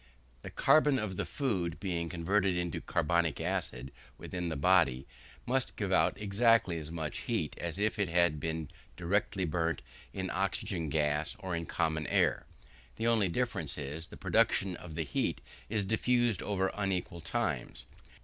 The carbon of the food, being converted into carbonic acid within the body, must give out exactly as much heat as if it had been directly burnt in oxygen gas or in common air; the only difference is, the production of the heat is diffused over unequal times.